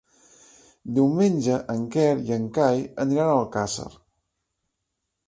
Diumenge en Quer i en Cai aniran a Alcàsser.